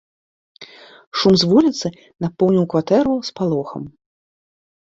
Шум з вуліцы напоўніў кватэру спалохам.